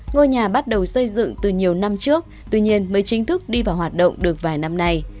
ngôi nhà bắt đầu xây dựng từ nhiều năm trước tuy nhiên mới chính thức đi vào hoạt động được vài năm nay